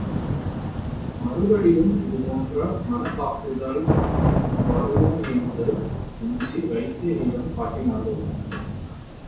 மறுபடியும் இது போன்ற மனத்தாக்குதல் வருமோ என்று அஞ்சி வைத்தியரிடம் காட்டினார்கள்.